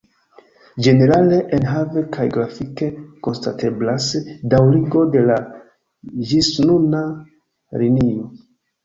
Ĝenerale enhave kaj grafike konstateblas daŭrigo de la ĝisnuna linio.